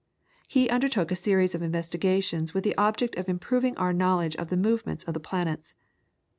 He undertook a series of investigations with the object of improving our knowledge of the movements of the planets.